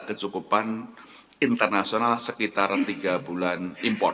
kesukupan internasional sekitar tiga bulan import